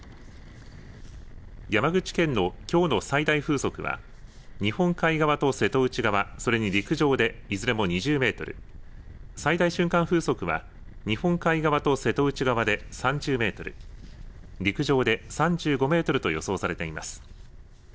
山口県のきょうの最大風速は日本海側と瀬戸内側それに陸上でいずれも２０メートル、最大瞬間風速は日本海側と瀬戸内側で３０メートル、陸上で３５メートルと予想されています。